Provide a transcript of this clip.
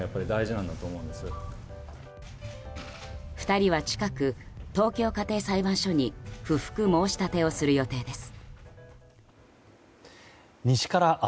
２人は近く、東京家庭裁判所に不服申し立てをする予定です。